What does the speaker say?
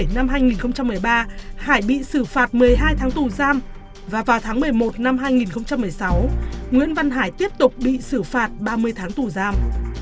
năm hai nghìn một mươi ba hải bị xử phạt một mươi hai tháng tù giam và vào tháng một mươi một năm hai nghìn một mươi sáu nguyễn văn hải tiếp tục bị xử phạt ba mươi tháng tù giam